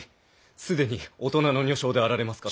既に大人の女性であられますかと。